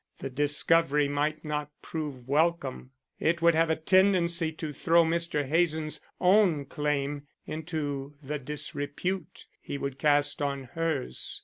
The discovery might not prove welcome. It would have a tendency to throw Mr. Hazen's own claim into the disrepute he would cast on hers.